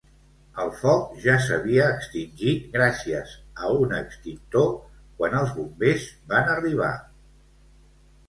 El foc ja s'havia extingit gràcies a un extintor quan els bombers van arribar.